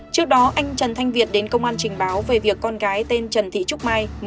trước đó anh trần thanh việt đến công an trình báo về việc con gái tên trần thị trúc mai